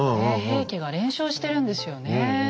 平家が連勝してるんですよね。